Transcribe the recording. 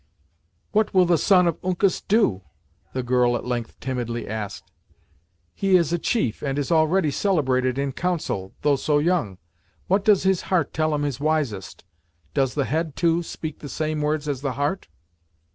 "What will the Son of Uncas do?" the girl at length timidly asked. "He is a chief, and is already celebrated in council, though so young; what does his heart tell him is wisest; does the head, too, speak the same words as the heart?"